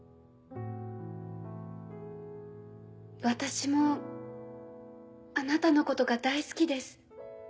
私もあなたのことが大好きです。